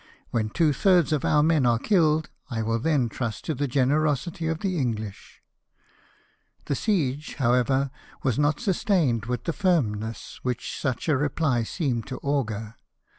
When two thirds of our men are killed, I will then trust to the generosity of the English." The siege, however, was not sustained with the firmness which such a reply seemed to augur.